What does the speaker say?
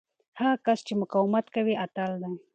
هغه کس چې مقاومت کوي، اتل دی.